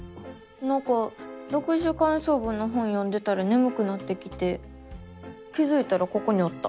なんか読書かんそう文の本読んでたらねむくなってきて気づいたらここにおった。